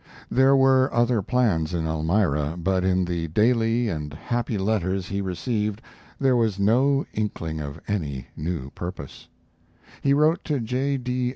There were other plans in Elmira, but in the daily and happy letters he received there was no inkling of any new purpose. He wrote to J.